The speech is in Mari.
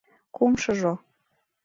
Кумшыжо.